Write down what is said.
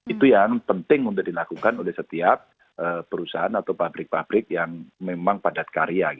itu yang penting untuk dilakukan oleh setiap perusahaan atau pabrik pabrik yang memang padat karya